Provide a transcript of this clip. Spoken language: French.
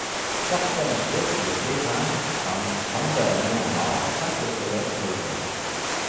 Certaines sources le présentent comme condamné à mort sans que cela soit établi.